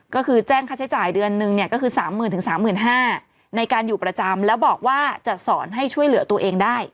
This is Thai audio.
ก็คือแจ้งค่าใช้จ่ายเดือนหนึ่งเนี้ยก็คือสามหมื่นถึงสามหมื่นห้าในการอยู่ประจำแล้วบอกว่าจะสอนให้ช่วยเหลือตัวเองได้